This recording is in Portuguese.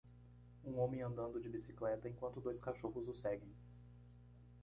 Um homem andando de bicicleta? enquanto dois cachorros o seguem.